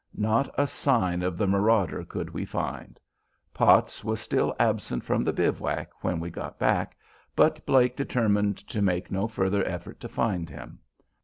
Not a sign of the marauder could we find. Potts was still absent from the bivouac when we got back, but Blake determined to make no further effort to find him.